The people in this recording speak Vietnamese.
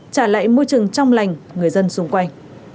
trả lại môi trường trong lành người dân xung quanh